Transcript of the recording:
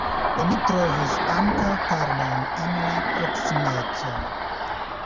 Oni trovis ankaŭ karbon en la proksimeco.